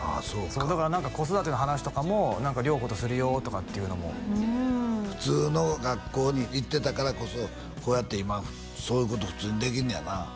そうかだから何か子育ての話とかも涼子とするよとかっていうのも普通の学校に行ってたからこそこうやって今そういうこと普通にできんねやな